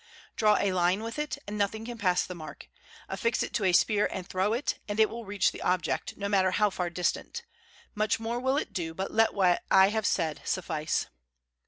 Draw a line with it and nothing can pass the mark. Affix it to a spear and throw it, and it will reach the object, no matter how far distant. Much more will it do, but let what I have said suffice."